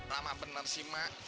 lama bener sih mak